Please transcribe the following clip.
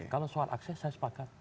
kalau soal akses saya sepakat